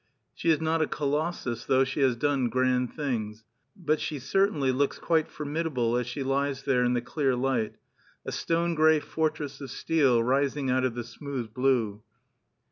She is not a colossus, though she has done grand things; but she certainly looks quite formidable as she lies there in the clear light, a stone gray fortress of steel rising out of the smooth blue.